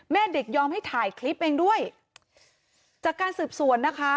แม่เด็กยอมให้ถ่ายคลิปเองด้วยจากการสืบสวนนะคะ